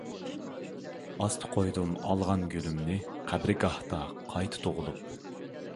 ئاستا قويدۇم ئالغان گۈلۈمنى، قەبرىگاھلىقتا قايتا تۇغۇلۇپ.